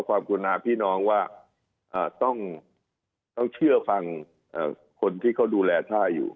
กุณาพี่น้องว่าต้องเชื่อฟังคนที่เขาดูแลท่าอยู่